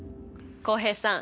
浩平さん。